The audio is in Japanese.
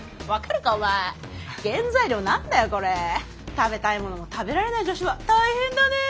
食べたいものも食べられない女子は大変だね。